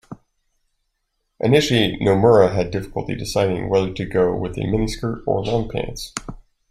Initially, Nomura had difficulty deciding whether to go with a miniskirt or long pants.